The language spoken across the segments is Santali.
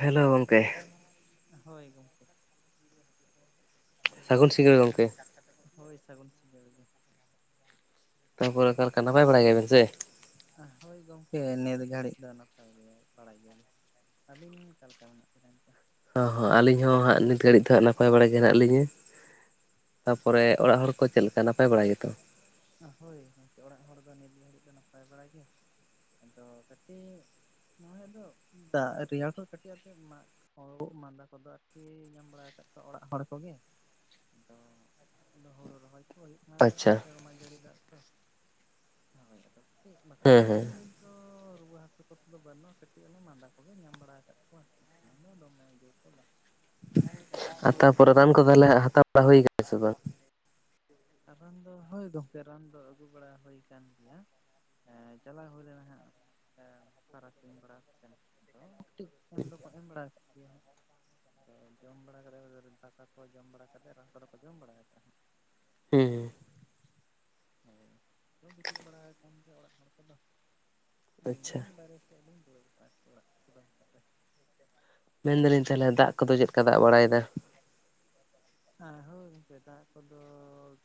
ᱦᱮᱞᱳ ᱜᱚᱝᱠᱮ ᱾ ᱦᱳᱭ ᱜᱚᱢᱠᱮ ᱾ ᱥᱟᱹᱜᱩᱱ ᱥᱤᱸᱜᱟᱹᱲ ᱜᱚᱢᱠᱮ ᱾ ᱦᱳᱭ ᱥᱟᱹᱜᱩᱱ ᱥᱤᱸᱜᱟᱹᱲ ᱜᱮ ᱾ ᱛᱟᱯᱚᱨᱮ ᱚᱠᱟ ᱞᱮᱠᱟ ᱱᱟᱯᱟᱭ ᱵᱟᱲᱟᱭ ᱜᱮᱭᱟᱵᱮᱱ ᱥᱮ? ᱦᱳᱭ ᱜᱚᱝᱠᱮ ᱱᱤᱛ ᱜᱷᱟᱹᱲᱤᱡ ᱫᱚ ᱱᱟᱯᱟᱭ ᱜᱮ ᱵᱟᱲᱟᱭ ᱜᱮᱭᱟᱞᱤᱧ ᱾ ᱟᱹᱵᱤᱱ ᱚᱠᱟ ᱞᱮᱠᱟ ᱢᱮᱱᱟᱜ ᱵᱤᱱᱟ ᱮᱱᱛᱮ? ᱦᱚᱸ ᱦᱚᱸ ᱟᱹᱞᱤᱧ ᱦᱚᱸ ᱦᱟᱜ ᱱᱤᱛ ᱜᱷᱟᱹᱲᱤᱡ ᱫᱚ ᱦᱟᱸᱜ ᱱᱟᱯᱟᱭ ᱵᱟᱲᱟ ᱜᱮ ᱦᱮᱱᱟᱜ ᱞᱤᱧᱟᱹ ᱾ ᱛᱟᱯᱚᱨᱮ ᱚᱲᱟᱜ ᱦᱚᱲ ᱠᱚ ᱪᱮᱫ ᱞᱮᱠᱟ ᱱᱟᱯᱟᱭ ᱵᱟᱲᱟ ᱜᱮᱛᱚ? ᱦᱳᱭ ᱜᱚᱝᱠᱮ ᱚᱲᱟᱜ ᱦᱚᱲ ᱫᱚ ᱱᱤᱛ ᱜᱷᱟᱹᱲᱤᱡ ᱫᱚ ᱱᱟᱯᱟᱭ ᱵᱟᱲᱟ ᱜᱮ ᱟᱫᱚ ᱠᱟᱹᱴᱤᱡᱼᱼᱼ ᱱᱚᱭ ᱟᱫᱚ ᱫᱟᱜ ᱨᱮᱭᱟᱲ ᱠᱚ ᱠᱟᱹᱴᱤᱡ ᱟᱫᱚ ᱮᱢᱟᱼᱼᱼ ᱠᱷᱩ-ᱜ ᱢᱟᱸᱫᱟ ᱠᱚᱫᱚ ᱟᱨᱠᱤ ᱧᱟᱢ ᱵᱟᱲᱟ ᱟᱠᱟᱫ ᱠᱚᱣᱟ ᱚᱲᱟᱜ ᱦᱚᱲ ᱠᱚᱜᱮ᱾ ᱟᱫᱚ ᱟ ᱟᱫᱚ [unintelligible] [unintelligible] ᱦᱩᱭᱩᱜ ᱢᱟ ᱛᱟᱯᱮ ᱥᱮᱨᱢᱟ ᱡᱟᱹᱲᱤ ᱫᱟᱜ ᱛᱚ ᱦᱳᱭ ᱟᱫᱚ ᱪᱮᱫ ᱵᱟᱠᱷᱟᱱ ᱦᱮᱸ ᱫᱚ ᱦᱮᱸ ᱮᱢᱱᱤ ᱚ ᱨᱩᱣᱟᱹ ᱦᱟᱹᱥᱩ ᱠᱚ ᱛᱮ ᱫᱚ ᱵᱟᱹᱱᱩᱜᱼᱟ᱾ ᱠᱟᱹᱴᱤᱡ ᱚᱱᱮ ᱢᱟᱸᱫᱟ ᱠᱚᱜᱮ ᱧᱟᱢ ᱵᱟᱲᱟ ᱟᱠᱟᱫ ᱠᱚᱣᱟ᱾ ᱛᱮᱦᱮᱧ ᱫᱚ ᱫᱚᱢᱮ ᱡᱩᱨ ᱫᱚ ᱵᱟᱝ ᱟᱨ ᱛᱟᱯᱚᱨᱮ ᱨᱟᱱ ᱠᱚ ᱛᱟᱦᱞᱮ ᱦᱟᱛᱟᱣ ᱵᱟᱲᱟ ᱦᱩᱭᱠ ᱥᱮ ᱵᱟᱝ? ᱨᱟᱱ ᱫᱚ ᱦᱳᱭ ᱜᱚᱝᱠᱮ ᱨᱟᱱ ᱫᱚ ᱟᱹᱜᱩ ᱵᱟᱲᱟ ᱦᱩᱭ ᱟᱠᱟᱱ ᱜᱮᱭᱟ ᱾ ᱮ ᱪᱟᱞᱟᱣ ᱦᱩᱭ ᱞᱮᱱᱟ ᱦᱟᱜ ᱛᱟᱨᱟᱥᱤᱧ ᱵᱮᱲᱟ ᱥᱮ ᱫᱚ᱾ ᱠᱟᱹᱴᱤᱡ ᱮᱢ ᱫᱚᱠᱚ ᱮᱢ ᱵᱟᱲᱟ ᱟᱠᱟᱫ ᱜᱮᱭᱟ ᱦᱟᱸᱜ ᱛᱚ ᱡᱚᱢ ᱵᱟᱲᱟ ᱠᱟᱛᱮᱫ ᱫᱟᱠᱟ ᱠᱚ ᱡᱚᱢ ᱵᱟᱲᱟ ᱠᱟᱛᱮᱫ ᱨᱚᱲ ᱠᱚᱫᱚ ᱠᱚ ᱡᱚᱢ ᱵᱟᱲᱟᱭ ᱠᱟᱫᱟ ᱦᱟᱜ ᱾ ᱦᱩᱸᱻ ᱦᱩᱸᱻ ᱦᱳᱭ ᱜᱤᱛᱤᱡ ᱵᱟᱲᱟ ᱟᱠᱟᱱ ᱜᱮᱭᱟ ᱚᱲᱟᱜ ᱦᱚᱲ ᱠᱚᱫᱚ ᱟᱞᱤᱧ ᱜᱮ ᱟᱪᱪᱷᱟ ᱵᱟᱦᱨᱮᱼᱼᱼ ᱟᱧ [unintelligible] ᱚᱲᱟᱜ ᱠᱩᱫᱟᱹᱢ ᱥᱮᱜ ᱨᱮ [unintelligible] ᱢᱮᱱ ᱫᱟᱞᱤᱧ ᱛᱟᱦᱚᱞᱮ ᱫᱟᱜ ᱠᱚᱫᱚ ᱪᱮᱫ ᱞᱮᱠᱟ ᱫᱟᱜ ᱵᱟᱲᱟᱭᱮᱫᱟ? ᱟ ᱦᱳᱭ ᱜᱚᱝᱠᱮ ᱫᱟᱜ ᱠᱚᱫᱚ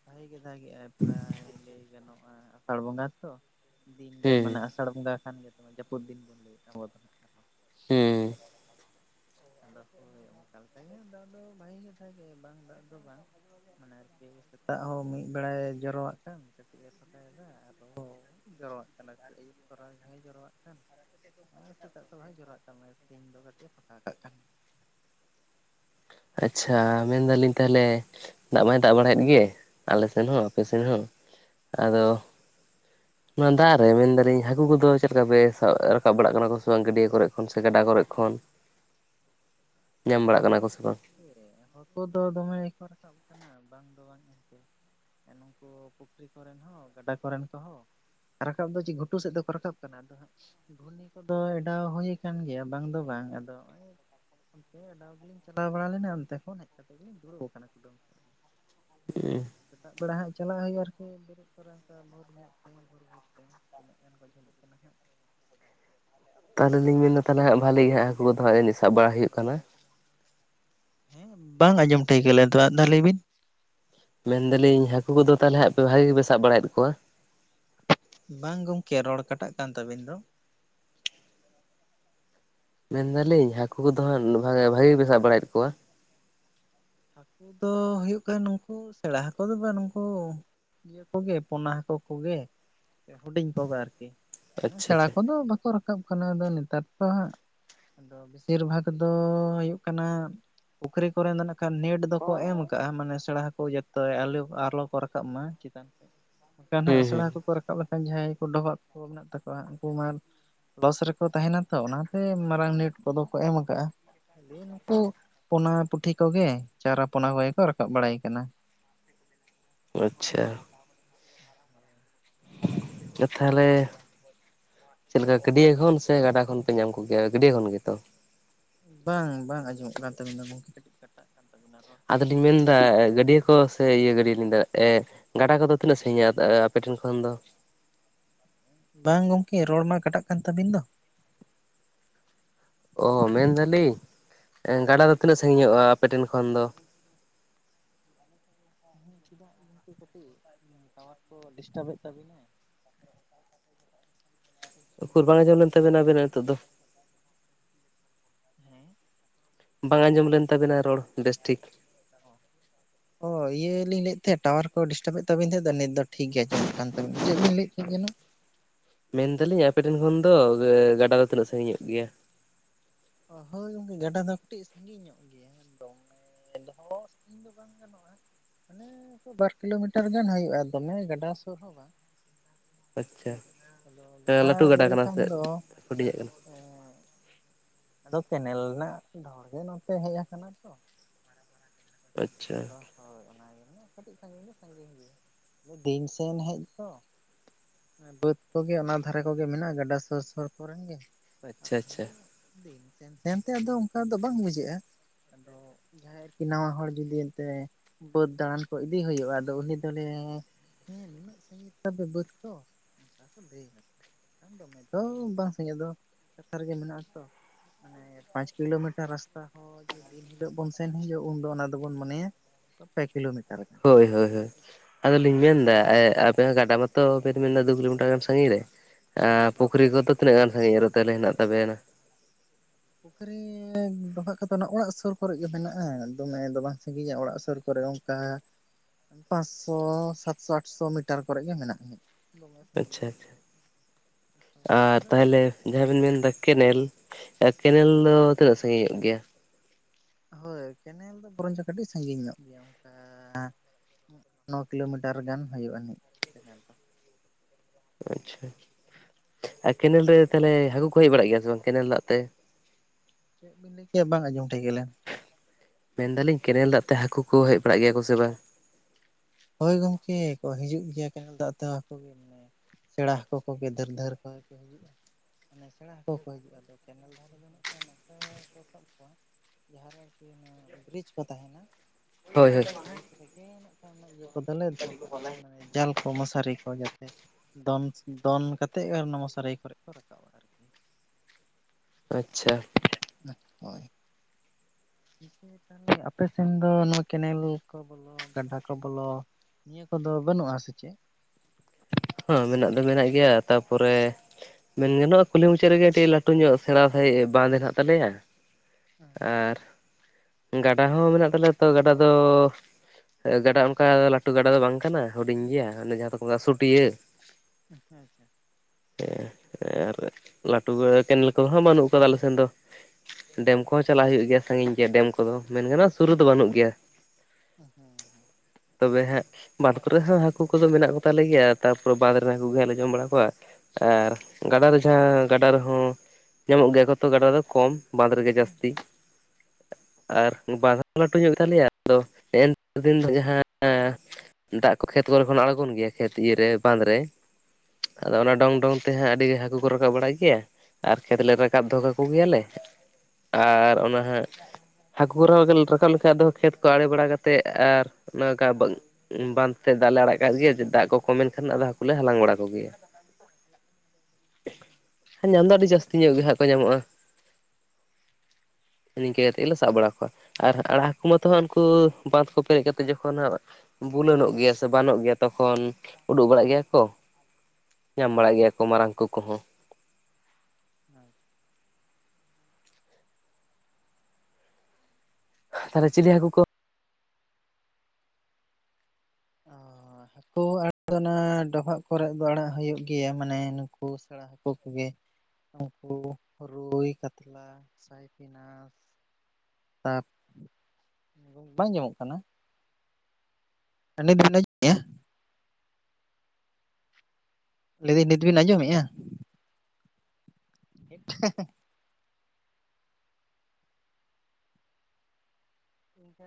ᱵᱷᱟᱜᱮ ᱫᱟᱜ ᱮ ᱼᱟᱭ ᱯᱨᱟᱭ ᱞᱟᱹᱭ ᱜᱟᱱᱚᱜᱼᱟ᱾ ᱟᱥᱟᱲ ᱵᱚᱸᱜᱟ ᱛᱚ ᱫᱤᱱᱜᱮ ᱦᱩᱸ ᱢᱟᱱᱮ ᱟᱥᱟᱲ ᱵᱚᱸᱜᱟ ᱠᱷᱟᱱ ᱜᱮ ᱫᱚᱢᱮ ᱡᱟᱹᱯᱩᱫ ᱫᱤᱱ ᱵᱚᱱ ᱞᱟᱹᱭᱮᱫᱟ ᱟᱵᱚ ᱫᱚ ᱾ ᱦᱩᱻᱸ ᱟᱫᱚ ᱦᱚᱭ ᱚᱱᱠᱟ ᱞᱮᱠᱟ ᱜᱮ ᱦᱚᱸᱜ ᱫᱟᱜ ᱫᱚ ᱵᱷᱟᱜᱤ ᱜᱮ ᱫᱟᱜ ᱮᱫᱟᱭ ᱵᱟᱝ ᱫᱟᱜ ᱫᱚ ᱵᱟᱝ᱾ ᱢᱟᱱᱮ ᱟᱨᱠᱤ ᱥᱮᱛᱟᱜ ᱦᱚᱸ ᱢᱤᱫ ᱵᱮᱲᱟᱭ ᱡᱚᱨᱚᱣᱟ-ᱜ ᱠᱟᱱ ᱠᱟᱹᱴᱤᱡ ᱮ ᱯᱷᱟᱠᱟᱼᱼᱼ ᱫᱟᱭᱫᱟ ᱟᱫᱚ ᱡᱚᱨᱣᱟᱜ ᱠᱟᱱᱟᱠᱤ ᱟᱹᱭᱩᱵ ᱛᱚᱨᱟ ᱨᱮᱦᱚᱸᱭ ᱡᱚᱨᱣᱟᱜ ᱠᱟᱱ᱾ ᱟᱨ ᱥᱮᱛᱟᱜ ᱫᱚ ᱵᱟᱝᱟᱭ ᱡᱚᱨᱟᱜ ᱠᱟᱱᱟ ᱢᱮ ᱥᱤᱧ ᱫᱚ ᱠᱟᱹᱴᱤᱡ ᱮ ᱯᱷᱟᱴ ᱠᱟᱜ ᱠᱟᱱᱟ᱾ ᱟᱪᱪᱷᱟ ᱢᱮᱱᱫᱟᱞᱤᱧ ᱛᱟᱦᱚᱞᱮ ᱫᱟᱜ ᱢᱟᱭ ᱫᱟᱜ ᱵᱟᱲᱟᱭᱮᱫ ᱜᱮ ᱾ ᱟᱞᱮᱥᱮᱱ ᱦᱚᱸ ᱦᱳᱭ ᱟᱯᱮᱥᱮᱱ ᱦᱚᱸ ᱦᱳᱭ ᱟᱫᱚ ᱱᱚᱣᱟ ᱫᱟᱜ ᱨᱮ ᱢᱮᱱᱫᱟᱞᱤᱧ ᱦᱟᱹᱠᱩ ᱠᱚᱫᱚ ᱪᱮᱫ ᱞᱮᱠᱟ ᱯᱮ ᱥᱟᱵ ᱨᱟᱠᱟᱵ ᱵᱟᱲᱟᱜ ᱠᱟᱱᱟ ᱠᱚ ᱥᱮ ᱵᱟᱝ? ᱜᱟᱹᱰᱭᱟᱹ ᱠᱚᱨᱮ ᱠᱷᱚᱱ ᱥᱮ ᱜᱟᱰᱟ ᱠᱚᱨᱮ ᱠᱷᱚᱱ [inaudible] ᱧᱟᱢ ᱵᱟᱲᱟᱜ ᱠᱟᱱᱟ ᱠᱚ ᱥᱮ ᱵᱟᱝ [unintelligible] ᱦᱟᱹᱠᱩ ᱫᱚ ᱫᱚᱢᱮ ᱜᱮ ᱠᱚ ᱨᱟᱠᱟᱵ ᱠᱟᱱᱟ ᱵᱟᱝ ᱫᱚ ᱵᱟᱝ ᱤᱱᱠᱟᱹ ᱱᱩᱠᱩ ᱯᱩᱠᱷᱨᱤ ᱠᱚᱨᱮᱱ ᱦᱚᱸ ᱜᱟᱰᱟ ᱠᱚᱨᱮᱱ ᱠᱚ ᱦᱚᱸᱜ ᱨᱟᱠᱟᱵ ᱫᱚ ᱪᱮᱫ ᱜᱷᱩᱴᱩ ᱥᱮᱫ ᱫᱚᱠᱚ ᱨᱟᱠᱟᱵ ᱠᱟᱱᱟ ᱟᱫᱚ ᱦᱟᱸᱜ ᱜᱷᱩᱱᱤ ᱠᱚᱫᱚ ᱚᱰᱟᱣ ᱦᱩᱭᱩ ᱟᱠᱟᱱ ᱜᱮᱭᱟ ᱵᱟᱝ ᱫᱚ ᱵᱟᱝ ᱟᱫᱚ ᱱᱚᱜᱚᱭᱼᱼᱼᱼ ᱚᱱᱛᱮ ᱚᱰᱟᱣ ᱜᱮᱞᱤᱧ ᱪᱟᱞᱟᱣ ᱵᱟᱲᱟ ᱞᱮᱱᱟ ᱚᱱᱛᱮ ᱠᱷᱚᱱ ᱦᱮᱡ ᱠᱟᱛᱮᱫ ᱜᱮᱞᱤᱧ ᱫᱩᱲᱩᱵ ᱟᱠᱟᱱᱟ ᱠᱩᱰᱟᱹᱢ ᱥᱮᱫ ᱨᱮ᱾ ᱟᱫᱚ ᱦᱟᱸᱜ ᱮᱸᱻ [unintelligible] ᱥᱮᱛᱟᱜ ᱵᱮᱲᱟ ᱦᱟᱸᱜ ᱪᱟᱞᱟᱜ ᱦᱩᱭᱩᱜᱼᱟ ᱟᱨᱠᱤ ᱵᱮᱨᱮᱫ ᱛᱚᱨᱟ ᱠᱟ ᱵᱷᱳᱨ ᱧᱚᱜ ᱛᱮ ᱵᱷᱳᱨ ᱵᱷᱳᱨ ᱛᱮ ᱛᱤᱱᱟᱹᱜ ᱜᱟᱱ ᱠᱚ ᱡᱷᱟᱹᱞᱤᱜ ᱠᱟᱱᱟ ᱦᱟᱸᱜ [inaudible] ᱛᱟᱦᱚᱞᱮ ᱞᱤᱧ ᱢᱮᱱᱫᱟ ᱛᱟᱦᱚᱞᱮ ᱦᱟᱜ ᱵᱷᱟᱞᱤ ᱜᱮ ᱦᱟᱸᱜ ᱦᱟᱹᱠᱩ ᱠᱚᱫᱚ ᱦᱟᱸᱜ ᱡᱟᱹᱱᱤᱡ ᱥᱟᱵ ᱵᱟᱲᱟ ᱦᱩᱭᱩᱜ ᱠᱟᱱᱟ᱾ ᱦᱮᱸ ᱵᱟᱝ ᱟᱸᱡᱚᱢ ᱴᱤᱭᱠᱟᱹ ᱞᱮᱱ ᱛᱟᱵᱮᱱᱟ ᱟᱨ ᱢᱤᱫ ᱫᱷᱟᱣ ᱞᱟᱹᱭ ᱵᱤᱱ᱾ ᱢᱮᱱᱫᱟᱞᱤᱧ ᱦᱟᱹᱠᱩ ᱠᱚᱫᱚ ᱛᱟᱦᱚᱞᱮ ᱦᱟᱜ ᱯᱮ ᱵᱷᱟᱜᱤ ᱜᱮᱯᱮ ᱥᱟᱵ ᱵᱟᱲᱟᱭᱮᱫ ᱠᱚᱣᱟ᱾ ᱵᱟᱝ ᱜᱚᱝᱠᱮ ᱨᱳᱲ ᱠᱟᱴᱟᱼᱜ ᱠᱟᱱ ᱛᱟᱵᱤᱱ ᱫᱚ! ᱢᱮᱱᱫᱟᱞᱤᱧ ᱦᱟᱹᱠᱩ ᱠᱚ ᱫᱚ ᱦᱟᱸᱜ ᱱᱚᱝᱠᱟᱜᱮ ᱵᱷᱟᱜᱤ ᱯᱮ ᱥᱟᱵ ᱵᱟᱲᱟᱭᱮᱫ ᱠᱚᱣᱟ? ᱦᱟᱹᱠᱩ ᱫᱚ ᱦᱩᱭᱩᱜ ᱠᱟᱱᱟ ᱱᱩᱠᱩ ᱥᱮᱬᱟ ᱦᱟᱹᱠᱩ ᱫᱚ ᱵᱟᱝ ᱱᱩᱠᱩ ᱱᱤᱭᱟᱹ ᱠᱚᱜᱮ ᱯᱚᱱᱟ ᱦᱟᱹᱠᱩ ᱠᱚᱜᱮ ᱦᱩᱰᱤᱧ ᱠᱚᱜᱮ ᱟᱨᱠᱤ ᱢᱟᱱᱮ ᱟᱪᱪᱷᱟ ᱥᱮᱬᱟ ᱟᱪᱪᱷᱟ ᱠᱚ ᱫᱚ ᱵᱟᱠᱚ ᱨᱟᱠᱟᱵ ᱠᱟᱱᱟ ᱟᱫᱚ ᱱᱮᱛᱟᱨ ᱫᱚ ᱦᱟᱸᱜ ᱟᱫᱚ ᱵᱮᱥᱤᱨ ᱵᱷᱟᱜᱽ ᱫᱚ ᱦᱩᱭᱩᱼᱜ ᱠᱟᱱᱟ ᱯᱩᱠᱷᱨᱤ ᱠᱚᱨᱮ ᱫᱚ ᱱᱟᱼᱼᱼᱼ ᱠᱷᱟᱱ ᱱᱮᱴ ᱫᱚᱠᱚ ᱮᱢ ᱠᱟᱜᱼᱟ ᱢᱟᱱᱮ ᱥᱮᱬᱟ ᱦᱟᱹᱠᱩ ᱡᱚᱛᱚ ᱜᱮ ᱟᱞᱩ ᱟᱞᱚ ᱠᱚ ᱨᱟᱠᱟᱵ ᱢᱟ ᱪᱮᱛᱟᱱ ᱥᱮᱫ ᱵᱟᱝ ᱠᱷᱟᱱ ᱱᱟᱜ ᱦᱩᱸ ᱥᱮᱬᱟ ᱠᱚᱠᱚ ᱦᱩᱸ ᱨᱟᱠᱟᱵ ᱞᱮᱠᱷᱟᱱ ᱡᱟᱦᱟᱸᱭ ᱠᱚ ᱰᱚᱵᱷᱟᱼᱜ ᱠᱚ ᱢᱮᱱᱟᱜ ᱛᱟᱠᱚᱣᱟ ᱩᱱᱠᱩ ᱢᱟ ᱞᱚᱥ ᱨᱮᱠᱚ ᱛᱟᱦᱮᱱᱟ ᱛᱚ ᱚᱱᱟᱛᱮ ᱢᱟᱨᱟᱝ ᱱᱮᱴ ᱠᱚᱫᱚ ᱠᱚ ᱮᱢ ᱟᱠᱟᱜᱼᱟ᱾ ᱱᱩᱠᱩ ᱯᱚᱱᱟ ᱯᱩᱴᱷᱤ ᱠᱚᱜᱮ ᱪᱟᱨᱟ ᱯᱚᱱᱟ ᱠᱚᱜᱮ ᱠᱚ ᱨᱟᱠᱟᱵ ᱵᱟᱲᱟᱭ ᱠᱟᱱᱟ! ᱟᱪᱪᱷᱟᱼᱼ [unintelligible] ᱛᱟᱦᱚᱞᱮ ᱪᱮᱫ ᱞᱮᱠᱟ ᱜᱟᱹᱰᱭᱟᱹ ᱠᱷᱚᱱ ᱥᱮ, ᱜᱟᱰᱟ ᱠᱷᱚᱱ ᱯᱮ ᱧᱟᱢ ᱠᱚᱜᱮᱭᱟ, ᱜᱟᱹᱰᱭᱟᱹ ᱠᱷᱚᱱ ᱜᱮᱛᱚ? ᱵᱟᱝ, ᱵᱟᱝ, ᱟᱸᱡᱚᱢᱚᱜ ᱠᱟᱱ ᱛᱟᱹᱵᱤᱱᱟ ᱜᱚᱝᱠᱮ ᱠᱟᱹᱴᱤᱡ, ᱠᱟᱹᱴ ᱟᱫᱚᱞᱤᱧ ᱢᱮᱱᱫᱟ, ᱜᱟᱹᱰᱭᱟᱹ ᱠᱚ ᱥᱮ ᱤᱭᱟᱹ ᱜᱟᱹᱰᱭᱟᱹ ᱞᱤᱧ ᱫᱟᱲᱮ ᱭᱟᱜ ᱮᱸ, ᱜᱟᱰᱟ ᱠᱚᱫᱚ ᱛᱤᱱᱟᱹᱜ ᱥᱟᱺᱜᱤᱧᱟ, ᱟᱯᱮ ᱴᱷᱮᱱ ᱠᱷᱚᱱ ᱫᱚ? ᱵᱟᱝ ᱜᱚᱢᱠᱮ, ᱨᱚᱲ ᱢᱟ ᱠᱟᱴᱟᱜ ᱠᱟᱱ ᱛᱟᱵᱤᱱ ᱫᱚ? ᱚ ᱢᱮᱱᱫᱟᱞᱤᱧ, ᱜᱟᱰᱟ ᱫᱚ ᱛᱤᱱᱟᱹᱜ ᱥᱟᱺᱜᱤᱧ ᱧᱚᱜᱼᱟ ᱟᱯᱮᱴᱷᱮᱱ ᱠᱷᱚᱱ ᱫᱚ? ᱪᱮᱫᱟᱜ ᱜᱚᱝᱠᱮ ᱠᱟᱹᱴᱤᱡ, ᱴᱟᱣᱟᱨ ᱠᱚ ᱰᱤᱥᱴᱟᱵᱮᱫ ᱛᱟᱵᱤᱱᱟ? ᱩᱠᱩᱨ ᱵᱟᱝ ᱟᱡᱚᱢ ᱞᱮᱱ ᱛᱟᱵᱤᱱᱟ ᱟᱵᱮᱱᱟᱜ ᱱᱤᱛᱚᱜ ᱫᱚ? [unintelligible] ᱵᱟᱝ ᱟᱸᱡᱚᱢ ᱞᱮᱱ ᱛᱟᱵᱤᱱᱟ ᱨᱚᱲ, ᱵᱮᱥᱴᱷᱤᱠ? ᱚ [inaudible] ᱚ ᱤᱭᱟᱹᱞᱤᱧ ᱞᱟᱹᱭᱮᱫ ᱛᱟᱦᱮᱸᱫ, ᱴᱟᱣᱟᱨ ᱠᱚ ᱰᱤᱥᱴᱟᱵ ᱮᱫ ᱛᱟᱵᱮᱱ ᱛᱟᱦᱮᱸᱫ, ᱱᱤᱛ ᱫᱚ ᱴᱷᱤᱠ ᱜᱮ ᱟᱸᱡᱚᱢᱚᱜ ᱠᱟᱱ ᱛᱟᱵᱤᱱᱟ᱾ ᱪᱮᱫ ᱵᱤᱱ ᱞᱟᱹᱭᱮᱫ ᱛᱟᱦᱮᱸᱱ ᱡᱮᱱᱚ? ᱢᱮᱱᱫᱟᱞᱤᱧ ᱟᱯᱮᱴᱷᱮᱱ ᱠᱷᱚᱱ ᱫᱚ, ᱜᱟᱰᱟ ᱫᱚ ᱛᱤᱱᱟᱹᱜ ᱥᱟᱺᱜᱤᱧᱚᱜ ᱜᱮᱭᱟ? ᱦᱳᱭ ᱜᱚᱝᱠᱮ ᱜᱟᱰᱟ ᱫᱚ, ᱠᱟᱹᱴᱤᱡ ᱥᱟᱺᱜᱤᱧ ᱧᱚᱜ ᱜᱮᱭᱟ᱾ [unintelligible] ᱢᱟᱱᱮ ᱵᱟᱨ ᱠᱤᱞᱳᱢᱤᱴᱟᱨ ᱜᱟᱱ ᱦᱳᱭᱳᱜᱼᱟ, ᱫᱚᱢᱮ ᱜᱟᱰᱟ ᱥᱳᱨ ᱦᱚᱸ ᱵᱟᱝ᱾ ᱟᱪᱪᱷᱟ᱾ ᱟᱫᱚ ᱜᱟᱰᱟ ᱞᱟᱹᱴᱩ ᱞᱟᱹᱭ ᱠᱟᱱᱟ ᱞᱮᱠᱷᱟᱱ ᱥᱮ ᱫᱚ, ᱦᱩᱰᱤᱧᱟᱜ ᱠᱟᱱᱟ? ᱮᱸ ᱟᱫᱚ ᱠᱮᱱᱮᱞ ᱨᱮᱱᱟᱜ ᱰᱷᱚᱲ ᱜᱮ, ᱱᱚᱛᱮ ᱦᱮᱡ ᱠᱟᱱᱟ ᱛᱚ᱾ ᱟᱪᱪᱷᱟ᱾ ᱟᱫᱚ ᱦᱳᱭ ᱚᱱᱟ ᱜᱮ ᱠᱟᱹᱴᱤᱡ ᱥᱟᱺᱜᱤᱧ ᱫᱚ ᱥᱟᱺᱜᱤᱧ ᱜᱮᱭᱟ, ᱫᱤᱱ ᱥᱮᱱ ᱦᱮᱡ ᱛᱚ᱾ ᱵᱟᱹᱫᱽ ᱠᱚᱜᱮ ᱚᱱᱟ ᱫᱷᱟᱨᱮ ᱠᱚᱜᱮ ᱢᱮᱱᱟᱜᱼᱟ, ᱜᱟᱰᱟ ᱥᱳᱨ-ᱥᱳᱨ ᱠᱚᱨᱮ ᱜᱮ, ᱟᱪᱪᱷᱟ ᱟᱥᱚᱞᱮ ᱟᱪᱪᱷᱟ ᱫᱤᱱ ᱥᱮᱱ ᱥᱮᱱᱛᱮ ᱟᱫᱚ ᱚᱱᱠᱟ ᱫᱚ ᱵᱟᱝ ᱵᱩᱡᱷᱟᱹᱜᱼᱟ, ᱟᱫᱚ ᱡᱟᱦᱟᱸᱭ ᱟᱨᱠᱤ ᱱᱟᱣᱟ ᱦᱚᱲ ᱡᱩᱫᱤ ᱛᱮ ᱵᱟᱹᱫᱽ ᱫᱟᱬᱟᱱ ᱠᱚ ᱤᱫᱤ ᱦᱳᱭᱳᱜᱼᱟ, ᱟᱫᱚ ᱩᱱᱤ ᱫᱚ ᱞᱟᱹᱭᱟ ᱦᱮᱸ ᱱᱟᱹᱜ ᱥᱟᱹᱜᱤᱧ ᱛᱟᱯᱮ ᱵᱟᱫᱹᱫ ᱠᱚ, ᱚᱱᱠᱟ ᱠᱚ ᱞᱟᱹᱭᱟ᱾ ᱫᱚᱢᱮ ᱫᱚ ᱵᱟᱝ ᱥᱟᱜᱤᱧᱟ, ᱟᱫᱚ ᱠᱟᱛᱷᱟ ᱨᱮᱜᱮ ᱢᱮᱱᱟᱜ ᱟᱛᱚ ᱢᱟᱱᱮ ᱯᱟᱸᱪ ᱠᱤᱞᱳᱢᱤᱴᱟᱨ ᱨᱟᱥᱛᱟ ᱦᱚᱸ, ᱫᱤᱱ ᱦᱤᱞᱳᱜ ᱵᱚᱱ ᱥᱮᱱ ᱦᱤᱡᱼᱟ ᱩᱱᱫᱚ, ᱚᱱᱟ ᱫᱚᱵᱚᱱ ᱢᱚᱱᱮᱭᱟ ᱯᱮ ᱠᱤᱞᱳᱢᱤᱴᱟᱨ ᱜᱟᱱ ᱦᱳᱭ, ᱦᱳᱭ, ᱦᱳᱭ᱾ ᱟᱫᱚᱞᱤᱧ ᱦᱳᱭ ᱢᱮᱱ ᱫᱟ, ᱟᱯᱮ ᱦᱚᱸ ᱜᱟᱰᱟ ᱢᱟᱛᱚ ᱵᱮᱱ ᱢᱮᱱᱫᱟ ᱫᱩ ᱠᱤᱞᱳᱢᱤᱴᱟᱨ ᱜᱟᱱ ᱥᱟᱺᱜᱤᱧ ᱨᱮ ᱮ ᱦᱮᱸ ᱦᱮᱸ ᱯᱩᱠᱷᱨᱤ ᱠᱚᱫᱚ, ᱛᱤᱱᱟᱹ ᱜᱟᱱ ᱥᱟᱺᱜᱤᱧ ᱨᱮ ᱛᱟᱦᱚᱞᱮ ᱦᱮᱱᱟᱜ ᱛᱟᱵᱮᱱᱟ? ᱯᱩᱠᱷᱨᱤ ᱰᱚᱵᱷᱟᱜ ᱠᱚᱫᱚ, ᱚᱲᱟᱜ ᱥᱳᱨ ᱠᱚᱨᱮ ᱜᱮ ᱢᱮᱱᱟᱜᱼᱟ, ᱫᱚᱢᱮ ᱫᱚ ᱵᱟᱝ ᱥᱟᱺᱜᱤᱧᱟ ᱚᱲᱟᱜ ᱥᱳᱨ ᱠᱚᱨᱮ᱾ ᱚᱱᱠᱟ ᱯᱟᱸᱥᱥᱚ, ᱥᱟᱛᱥᱚ, ᱟᱴᱥᱚ, ᱢᱤᱴᱟᱨ ᱠᱚᱨᱮ ᱜᱮ ᱢᱮᱱᱟᱜ᱾ ᱟᱪᱪᱷᱟ ᱟᱪᱪᱷᱟ᱾ ᱟᱨ [unintelligible] ᱛᱟᱦᱚᱞᱮ ᱡᱟᱦᱟᱸ ᱵᱤᱱ ᱢᱮᱱ ᱫᱟ ᱠᱮᱱᱮᱞ, ᱦᱳᱭ ᱠᱮᱱᱮᱞ ᱫᱚ ᱛᱤᱱᱟᱹᱜ ᱥᱟᱺᱜᱤᱧ ᱧᱚᱜ ᱜᱮᱭᱟ? ᱦᱳᱭ ᱠᱮᱱᱮᱞ ᱫᱚ, ᱵᱚᱨᱚᱧᱪᱚ ᱠᱟᱹᱴᱤᱡ ᱥᱟᱺᱜᱤᱧ ᱧᱚᱜ ᱜᱮᱭᱟ᱾ ᱮᱻ ᱱᱚ ᱠᱤᱞᱳᱢᱤᱴᱟᱨ ᱜᱟᱱ ᱦᱳᱭᱳᱜᱼᱟ ᱡᱟᱹᱱᱤᱡ ᱠᱮᱱᱮᱞ ᱫᱚ᱾ ᱟᱪᱪᱷᱟ, ᱟᱪᱪᱷᱟ᱾ ᱟᱨ ᱠᱮᱱᱮᱞ ᱨᱮ ᱛᱟᱦᱚᱞᱮ, ᱦᱟᱹᱠᱳ ᱠᱚ ᱦᱮᱡ ᱵᱟᱲᱟᱜ ᱜᱮᱭᱟ ᱥᱮ ᱵᱟᱝ ᱠᱮᱱᱮᱞ ᱫᱟᱜ ᱛᱮ? ᱪᱮᱫ ᱵᱤᱱ ᱞᱟᱹᱭ ᱠᱮᱭᱟ ᱵᱟᱝ ᱟᱡᱚᱢ ᱴᱷᱤᱠᱞᱮᱱ? ᱢᱮᱱᱫᱟᱞᱤᱧ ᱠᱮᱱᱮᱞ ᱫᱟᱜ ᱛᱮ ᱦᱟᱠᱳ ᱠᱚ, ᱦᱮᱡ ᱵᱟᱲᱟᱜ ᱜᱮᱭᱟ ᱠᱚ ᱥᱮ ᱵᱟᱝ? ᱦᱳᱭ ᱜᱚᱝᱠᱮ ᱠᱚ ᱦᱤᱡᱩᱜ ᱜᱮᱭᱟ, ᱠᱮᱱᱮᱞ ᱫᱟᱜ ᱛᱮ ᱦᱟᱹᱠᱳ ᱜᱮ ᱢᱟᱱᱮ ᱥᱮᱬᱟ ᱦᱟᱹᱠᱳ ᱠᱚᱜᱮ ᱫᱷᱟᱹᱨ ᱫᱷᱟᱹᱨ ᱠᱚ ᱠᱚ ᱦᱤᱡᱩᱜᱼᱟ᱾ ᱢᱟᱱᱮ ᱥᱮᱬᱟ ᱦᱟᱹᱠᱳ ᱠᱚ ᱦᱤᱡᱩᱜᱼᱟ ᱟᱫᱚ ᱠᱮᱱᱮᱞ ᱫᱟᱜ [inaudible] ᱱᱟᱝᱠᱟ ᱠᱚ ᱥᱟᱵ ᱠᱚᱣᱟ, ᱡᱟᱦᱟᱸ ᱨᱮ ᱟᱨᱠᱤ ᱢᱟᱱᱮ ᱵᱨᱤᱡᱽ ᱠᱚ ᱛᱟᱦᱮᱸᱱᱟ᱾ ᱦᱳᱭ ᱦᱳᱭ ᱚᱱᱟ ᱵᱨᱤᱡᱽ ᱨᱮᱜᱮ ᱱᱟᱜᱠᱷᱟᱱ ᱚᱱᱟ, ᱤᱭᱟᱹ ᱠᱚᱫᱚᱞᱮ ᱫᱚᱦᱚ ᱠᱟᱜᱼᱟ ᱢᱟᱱᱮ ᱡᱟᱞ᱾ ᱢᱚᱥᱟᱨᱤ ᱠᱚ ᱡᱟᱛᱮ, ᱫᱚᱱ-ᱫᱚᱱ ᱠᱟᱛᱮᱫ ᱟᱨ ᱚᱱᱟ ᱢᱚᱥᱟᱨᱤ ᱠᱚᱨᱮ ᱠᱚ ᱨᱟᱠᱟᱵᱼᱟ, ᱟᱨᱠᱤ᱾ ᱟᱪᱪᱷᱟ᱾ [unintelligible] ᱦᱳᱭ [unintelligible] ᱟᱯᱮᱥᱱ ᱫᱚ ᱱᱚᱣᱟ ᱠᱮᱱᱮᱞ ᱠᱚ ᱵᱚᱞᱚ, ᱜᱟᱰᱟ ᱠᱚ ᱵᱚᱞᱚ ᱱᱤᱭᱟᱹ ᱠᱚᱫᱚ, ᱵᱟᱹᱱᱩᱜᱼᱟ ᱥᱮ ᱪᱮᱫ? ᱦᱚᱸᱻ ᱢᱮᱱᱟᱜ ᱫᱚ ᱢᱮᱱᱟᱜ ᱜᱮᱭᱟ ᱛᱟᱯᱚᱨᱮ ᱢᱮᱱ ᱜᱟᱱᱚᱜᱼᱟ ᱠᱩᱞᱦᱤ ᱢᱩᱪᱟᱹᱫ ᱨᱮᱜᱮ ᱴᱤᱡ ᱞᱟᱹᱴᱩ ᱧᱚᱜ ᱥᱮᱬᱟ ᱥᱟᱸᱦᱤᱡ ᱵᱟᱸᱫᱽ ᱦᱮᱱᱟᱜ ᱛᱟᱞᱮᱭᱟ᱾ ᱟᱨ ᱜᱟᱰᱟ ᱦᱚᱸ ᱢᱮᱱᱟᱜ ᱛᱟᱞᱮᱭᱟ ᱛᱚ ᱜᱟᱰᱟ ᱫᱚ ᱜᱟᱰᱟ ᱚᱱᱠᱟ ᱞᱟᱹᱴᱩ ᱜᱟᱰᱟ ᱫᱚ ᱵᱟᱝ ᱠᱟᱱᱟ ᱦᱩᱰᱤᱧ ᱜᱮᱭᱟ ᱚᱱᱮ ᱡᱟᱦᱟᱸ ᱫᱚᱠᱚ ᱢᱮᱛᱟᱜᱼᱟ ᱥᱩᱴᱤᱭᱟᱹ᱾ ᱟᱪᱪᱷᱟ ᱟᱪᱪᱷᱟ [inaudible] [inaudible] ᱟᱨ ᱞᱟᱹᱴᱩ ᱠᱮᱱᱮᱞ ᱠᱚᱦᱚᱸ ᱵᱟᱹᱱᱩᱜ ᱠᱟᱫᱟ ᱟᱞᱮ ᱥᱮᱱ ᱫᱚ᱾ ᱰᱮᱢ ᱠᱚᱦᱚᱸ ᱪᱟᱞᱟᱜ ᱦᱩᱭᱩᱜ ᱜᱮᱭᱟ ᱥᱟᱺᱜᱤᱧ ᱜᱮᱭᱟ ᱰᱮᱢ ᱠᱚᱫᱚ ᱢᱮᱱ ᱜᱟᱱᱚᱜᱼᱟ ᱥᱩᱨᱩ ᱫᱚ ᱵᱟᱹᱱᱩᱜ ᱜᱮᱭᱟ᱾ ᱛᱚᱵᱮ ᱦᱟᱸᱜ ᱵᱟᱸᱫᱽ ᱠᱚᱨᱮ ᱦᱚᱸ ᱦᱟᱹᱠᱩ ᱠᱚᱫᱚ ᱢᱮᱱᱟᱜ ᱠᱚᱛᱟᱞᱮ ᱜᱮᱭᱟ᱾ ᱛᱟᱨᱯᱚᱨᱮ ᱵᱟᱸᱫᱽ ᱨᱮ ᱦᱟᱹᱠᱩ ᱜᱮ ᱦᱟᱸᱜ ᱞᱮ ᱡᱚᱢ ᱵᱟᱲᱟ ᱠᱚᱣᱟ ᱟᱨ ᱜᱟᱰᱟᱨᱮ ᱡᱟᱦᱟᱸ ᱜᱟᱰᱟ ᱨᱮᱦᱚᱸ ᱧᱟᱢᱚᱜ ᱜᱮᱭᱟ ᱠᱚ ᱛᱚ ᱜᱟᱰᱟ ᱨᱮᱫᱚ ᱠᱚᱢ ᱵᱟᱸᱫᱽ ᱨᱮᱜᱮ ᱡᱟᱹᱥᱛᱤ᱾ ᱟᱨ ᱵᱟᱸᱫ ᱦᱚ ᱞᱟᱹᱴᱩ ᱧᱚᱜ ᱜᱮ ᱛᱟᱞᱮᱭᱟ ᱟᱫᱚ ᱮᱻᱱ ᱫᱤᱱ ᱫᱚ ᱡᱟᱦᱟᱸ- -ᱫᱟᱜ ᱠᱚ ᱠᱷᱮᱛ ᱠᱚᱨᱮ ᱠᱷᱚᱱ ᱟᱬᱜᱚᱱ ᱜᱮᱭᱟ ᱠᱷᱮᱛ ᱛᱤᱭᱟᱹᱨᱮ ᱵᱟᱸᱫ ᱨᱮ ᱟᱫᱚ ᱚᱱᱟ ᱰᱚᱝ ᱰᱚᱝ ᱛᱮ ᱦᱟᱸᱜ ᱟᱹᱰᱤ ᱜᱮ ᱦᱟᱹᱠᱩ ᱠᱚ ᱨᱟᱠᱟᱵ ᱵᱟᱲᱟᱭ ᱜᱮᱭᱟ᱾ ᱟᱨ ᱠᱷᱮᱛ ᱞᱮ ᱨᱟᱠᱟᱵ ᱫᱚᱦᱚ ᱠᱟᱠᱚ ᱜᱮᱭᱟᱞᱮ ᱟᱨ ᱚᱱᱟ ᱦᱟᱸᱜ ᱦᱟᱹᱠᱩ [unintelligible] ᱨᱟᱠᱟᱵ ᱞᱮᱠᱷᱟᱡ ᱫᱚ ᱠᱷᱮᱛ ᱠᱚ ᱟᱲᱮ ᱵᱟᱲᱟ ᱠᱟᱛᱮᱫ ᱟᱨ [unintelligible] ᱩᱸ ᱵᱟᱸᱫᱷ ᱛᱮᱫ ᱫᱟᱜ ᱞᱮ ᱟᱲᱟᱜ ᱠᱟᱜ ᱜᱮ ᱡᱮ ᱫᱟᱜ ᱠᱚ ᱠᱚᱢᱮᱱᱠᱷᱟᱱ ᱟᱫᱚ ᱦᱟᱹᱠᱩᱞᱮ ᱦᱟᱞᱟᱝ ᱵᱟᱲᱟ ᱠᱚᱜᱮᱭᱟ᱾ ᱧᱟᱢ ᱫᱚ ᱟᱹᱰᱤ ᱡᱟᱹᱥᱛᱤ ᱧᱚᱜ ᱜᱮ ᱦᱟᱸᱜ ᱠᱚ ᱧᱟᱢᱚᱜᱼᱟ᱾ ᱱᱤᱝᱠᱟᱹ ᱠᱟᱛᱮᱫ ᱜᱮᱞᱮ ᱥᱟᱵ ᱵᱟᱲᱟ ᱠᱚᱣᱟ ᱟᱨ ᱟᱲᱟᱜ ᱦᱟᱹᱠᱩ ᱢᱟᱛᱚ ᱦᱟᱸᱜ ᱩᱱᱠᱩ ᱵᱟᱸᱫᱽ ᱠᱚ ᱯᱮᱨᱮᱡ ᱠᱟᱛᱮ ᱡᱚᱠᱷᱚᱱ ᱦᱟᱸᱜ- -ᱵᱩᱞᱟᱹᱱᱚᱜ ᱜᱮᱭᱟ ᱥᱮ ᱵᱟᱱᱚᱜ ᱜᱮᱭᱟ ᱛᱚᱠᱷᱚᱱ- -ᱩᱰᱩᱠ ᱵᱟᱲᱟᱜ ᱜᱮᱭᱟ ᱠᱚ ᱧᱟᱢ ᱵᱟᱲᱟᱜ ᱜᱮᱭᱟ ᱠᱚ ᱢᱟᱨᱟᱝ ᱦᱟᱠᱩ ᱠᱚᱦᱚᱸ᱾ ᱦᱮᱸ [inaudible] ᱛᱟᱦᱚᱞᱮ ᱪᱤᱞᱤ ᱦᱟᱹᱠᱩ ᱠᱚ? ᱚ [inaudible] ᱦᱟᱹᱠᱩ ᱟᱲᱟᱜ ᱫᱚ ᱚᱱᱟ ᱰᱚᱵᱷᱟᱜ ᱠᱚᱨᱮ ᱫᱚ ᱟᱲᱟᱜ ᱦᱩᱭᱩᱜ ᱜᱮᱭᱟ ᱢᱟᱱᱮ ᱱᱩᱠᱩ ᱥᱮᱬᱟ ᱦᱟᱹᱠᱩ ᱠᱚᱜᱮ ᱩᱱᱠᱩ ᱨᱩᱭ ᱠᱟᱛᱞᱟ ᱥᱟᱭ ᱯᱤᱱᱟ᱾ [inaudible] [inaudible] ᱵᱟᱝ ᱟᱸᱡᱚᱢᱚᱜ ᱠᱟᱱᱟ? [unintelligible] ᱞᱟᱹᱭᱫᱤᱧ ᱱᱤᱛᱵᱤᱱ ᱟᱸᱡᱚᱢᱮᱜᱼᱟ? [unintelligible] [inaudible]